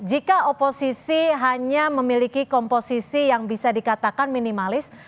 jika oposisi hanya memiliki komposisi yang bisa dikatakan minimalis